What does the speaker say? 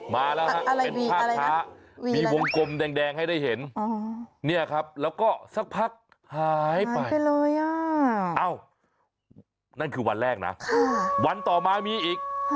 มาแล้วฮะเป็นภาพช้ามีวงกลมแดงให้ได้เห็นเนี่ยครับแล้วก็สักพักหายไปเลยอ่ะเอ้านั่นคือวันแรกนะวันต่อมามีอีก